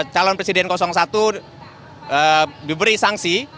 calon presiden satu diberi sanksi